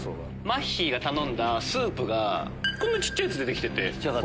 まっひーが頼んだスープがこんな小っちゃいやつで出て来てて。